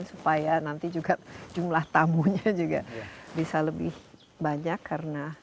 supaya nanti juga jumlah tamunya juga bisa lebih banyak karena